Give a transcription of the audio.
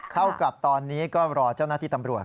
เท่ากับตอนนี้ก็รอเจ้าหน้าที่ตำรวจ